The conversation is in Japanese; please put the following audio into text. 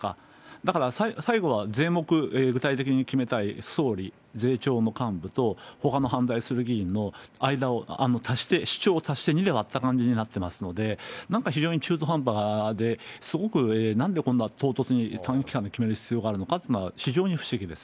だから最後は税目、具体的に決めたい総理、税調の幹部と、ほかの反対する議員の間を足して、主張を足して２で割った感じになってますので、なんか非常に中途半端で、すごく、なんでこんな唐突に、短期間で決める必要があるのかっていうのは、非常に不思議です。